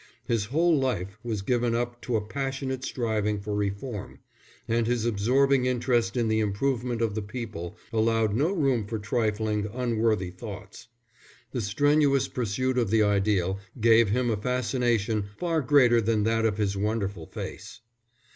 His whole life was given up to a passionate striving for reform, and his absorbing interest in the improvement of the people allowed no room for trifling, unworthy thoughts. The strenuous pursuit of the ideal gave him a fascination far greater than that of his wonderful face.